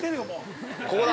◆ここだ！